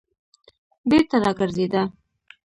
بېرته راگرځېده.